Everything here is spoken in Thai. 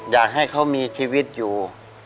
อยากให้เขามีชีวิตอยู่